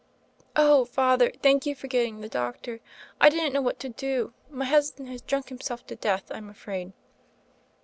0h. Father, thank you for getting the doc tor. I didn't know what to do. My husband has drunk himself to death, I'm afraid."